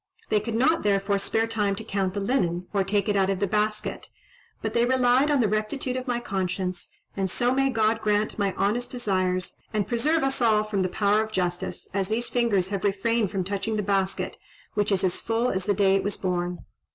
They could not, therefore, spare time to count the linen, or take it out of the basket but they relied on the rectitude of my conscience; and so may God grant my honest desires, and preserve us all from the power of justice, as these fingers have refrained from touching the basket, which is as full as the day it was born."